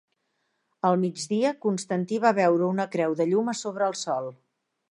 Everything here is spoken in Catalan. Al migdia, Constantí va veure una creu de llum a sobre el sol.